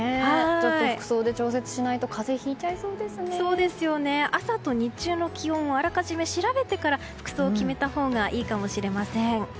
ちょっと服装で調節しないと朝と日中の気温あらかじめ調べてから服装を決めたほうがいいかもしれません。